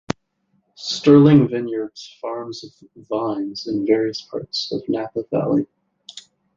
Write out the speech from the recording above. Sterling Vineyards farms of vines in various parts of Napa Valley.